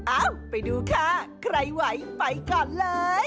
เอ้าไปดูค่ะใครไหวไปก่อนเลย